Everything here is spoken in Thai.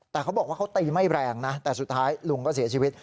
แต่เขาบอกว่าเขาตีไม่แรงนะแต่สุดท้ายลุงก็เสียชีวิต